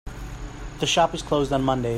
The shop is closed on mondays.